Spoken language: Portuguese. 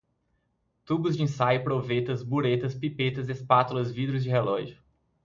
tubos de ensaio, provetas, buretas, pipetas, espátulas, vidros de relógio